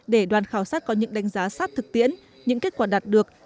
để đoàn khảo sát có những đánh giá sát thực tiễn những kết quả đạt được